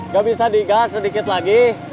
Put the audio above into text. gak bisa digas sedikit lagi